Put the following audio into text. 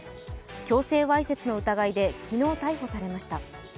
強制わいせつの疑いで昨日、逮捕されました。